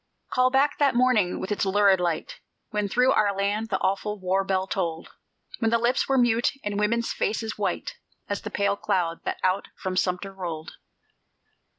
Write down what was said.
Call back that morning, with its lurid light, When through our land the awful war bell tolled; When lips were mute, and women's faces white As the pale cloud that out from Sumter rolled.